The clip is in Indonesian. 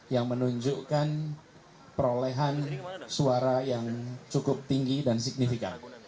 yang menunjukkan perolehan suara yang cukup tinggi dan signifikan